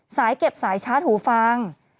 สายเก็บสายชาร์จหูฟัง